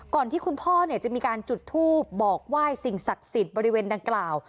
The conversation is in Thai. ที่คุณพ่อจะมีการจุดทูปบอกไหว้สิ่งศักดิ์สิทธิ์บริเวณดังกล่าว